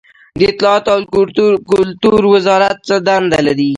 د اطلاعاتو او کلتور وزارت څه دنده لري؟